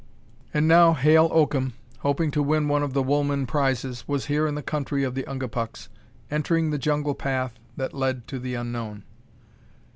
And now Hale Oakham, hoping to win one of the Woolman prizes, was here in the country of the Ungapuks, entering the jungle path that lead to the unknown.